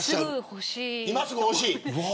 今すぐ欲しい。